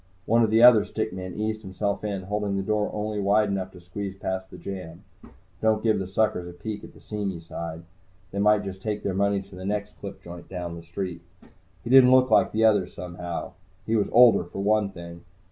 One of the other stick men eased himself in, holding the door only wide enough to squeeze past the jamb. Don't give the suckers a peek at the seamy side. They might just take their money to the next clip joint down the street. He didn't look like the others, somehow. He was older, for one thing.